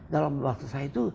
dalam bahasa saya itu